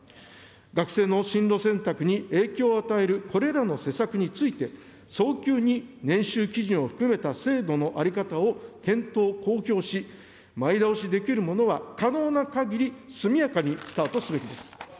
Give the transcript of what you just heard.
学生の進路選択に影響を与えるこれらの施策について、早急に年収基準を含めた制度の在り方を検討・公表し、前倒しできるものは可能なかぎり速やかにスタートすべきです。